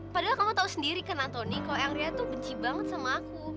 padahal kamu tau sendiri kan antoni kalau eyang ria tuh benci banget sama aku